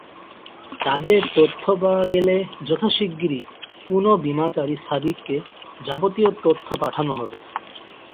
তাদের তথ্য পাওয়া গেলে যথাশিগগিরই পুনঃ বিমাকারী সাবিককে যাবতীয় তথ্য পাঠানো হবে।